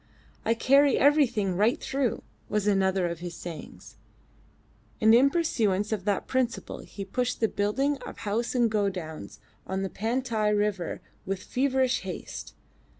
"I carry everything right through," was another of his sayings, and in pursuance of that principle he pushed the building of house and godowns on the Pantai River with feverish haste.